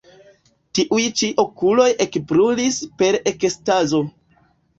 Tiuj ĉi okuloj ekbrulis per ekstazo.